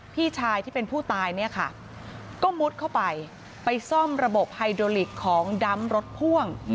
พี่ชายที่เป็นผู้ตายเนี่ยค่ะก็มุดเข้าไปไปซ่อมระบบไฮโดลิกของดำรถพ่วง